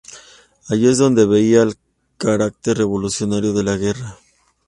Allí es donde veía al carácter revolucionario de la guerra.